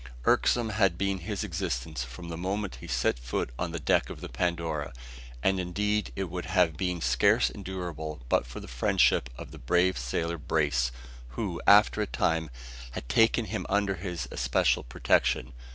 Irksome had been his existence from the moment he set foot on the deck of the Pandora; and indeed it would have been scarce endurable but for the friendship of the brave sailor Brace, who, after a time, had taken him under his especial protection.